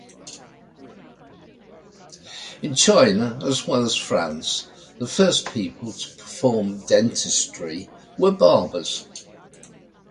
In China as well as France, the first people to perform dentistry were barbers.